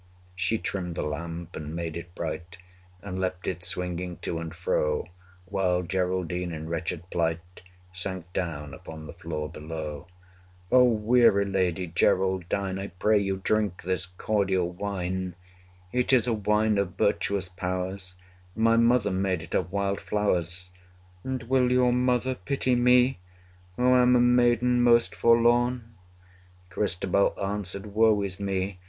185 She trimmed the lamp, and made it bright, And left it swinging to and fro, While Geraldine, in wretched plight, Sank down upon the floor below. O weary lady, Geraldine, 190 I pray you, drink this cordial wine! It is a wine of virtuous powers; My mother made it of wild flowers. And will your mother pity me, Who am a maiden most forlorn? 195 Christabel answered Woe is me!